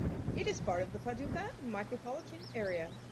It is part of the Paducah micropolitan area.